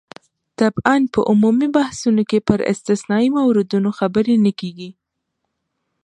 طبعاً په عمومي بحثونو کې پر استثنايي موردونو خبرې نه کېږي.